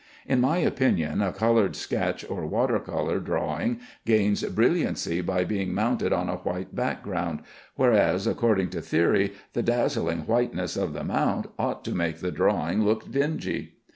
In my opinion a colored sketch or water color drawing gains brilliancy by being mounted on a white ground, whereas, according to theory, the dazzling whiteness of the mount ought to make the drawing look dingy.